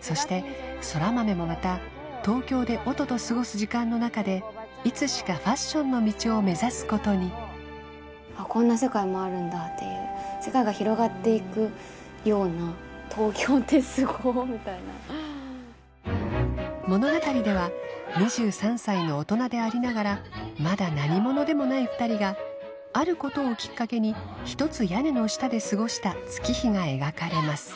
そして空豆もまた東京で音とすごす時間の中でいつしかファッションの道を目指すことにこんな世界もあるんだっていう世界が広がっていくような東京ってすごみたいな物語では２３歳の大人でありながらまだ何者でもない２人があることをきっかけにひとつ屋根の下ですごした月日が描かれます